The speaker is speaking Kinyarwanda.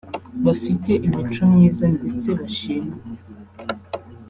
bafite imico myiza ndetse bashimwa